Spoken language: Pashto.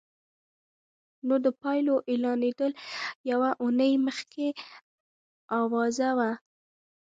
نو د پايلو اعلانېدل يوه اونۍ مخکې اوازه وه.